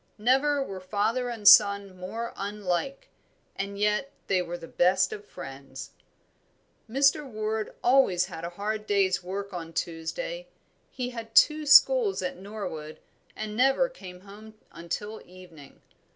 Never were father and son more unlike; and yet they were the best of friends. Mr. Ward always had a hard day's work on Tuesday. He had two schools at Norwood, and never came home until evening.